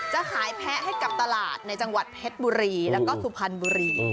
จะขายแพ้ให้กับตลาดในจังหวัดเพชรบุรีแล้วก็สุพรรณบุรี